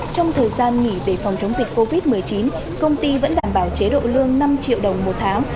trong thời gian nghỉ về phòng chống dịch covid một mươi chín công ty vẫn đảm bảo chế độ lương năm triệu đồng một tháng